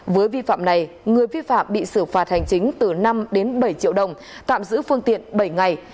với vi phạm này người vi phạm bị xử phạt hành chính từ năm đến bảy triệu đồng tạm giữ phương tiện bảy ngày